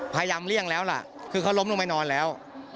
พยายามเลี่ยงแล้วแหละคือเขาล้มลงไปนอนแล้ว